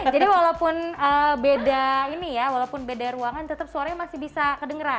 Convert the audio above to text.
jadi walaupun beda ini ya walaupun beda ruangan tetap suaranya masih bisa kedengeran